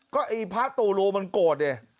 ก็ไอ้พระตู่รูมันโกรธดิ